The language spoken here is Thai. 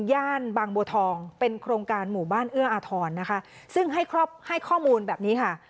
ย่านบางบัวทองเป็นโครงการหมู่บ้านเอื้ออาทรนะคะซึ่งให้ข้อมูลแบบนี้ค่ะ